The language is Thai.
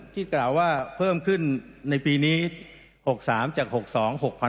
ที่กราวว่าเพิ่มขึ้นในปีนี้๖๓จาก๖๒๖๙ค่ะ